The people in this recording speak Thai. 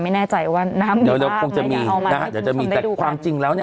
ไม่แน่ใจว่าน้ำอยู่บ้างไม่ได้เอามาให้ทุกคนได้ดูกันแต่ความจริงแล้วเนี่ย